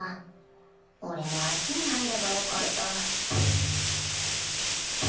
俺もあっちに入ればよかった